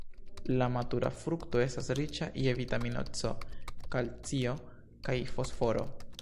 La matura frukto estas riĉa je vitamino C, kalcio kaj fosforo.